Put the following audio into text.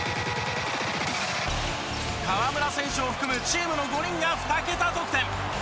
河村選手を含むチームの５人が２桁得点。